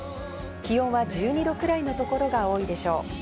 気温は１２度くらいのところが多いでしょう。